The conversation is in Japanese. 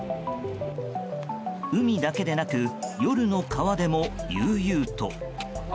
海だけでなく夜の川でも悠々と。